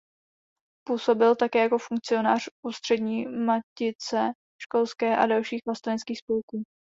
Působil také jako funkcionář Ústřední matice školské a dalších vlasteneckých spolků.